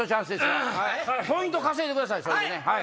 ポイント稼いでください。